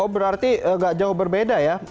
oh berarti nggak jauh berbeda ya